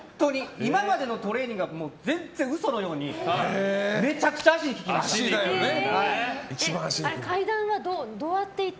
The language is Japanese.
今までのトレーニングが全然嘘のようにめちゃくちゃ足に効きました。